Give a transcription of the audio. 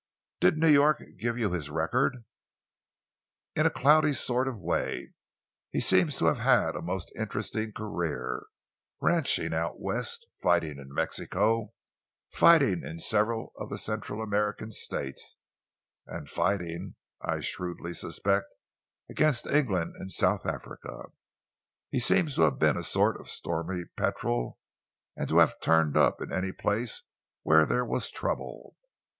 "Did New York give you his record?" "In a cloudy sort of way. He seems to have had a most interesting career, ranching out West, fighting in Mexico, fighting in several of the Central American states, and fighting, I shrewdly suspect, against England in South Africa. He seems to have been a sort of stormy petrel, and to have turned up in any place where there was trouble.